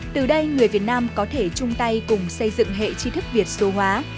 từ đây người việt nam có thể chung tay cùng xây dựng hệ chi thức việt số hóa